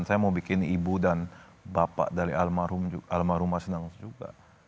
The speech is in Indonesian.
saya mau bikin ibu dan bapak dari almarhum mas inawas juga